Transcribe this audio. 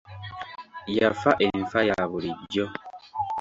Yafa enfa ya bulijjo.